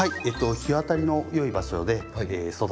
日当たりのよい場所で育てて下さい。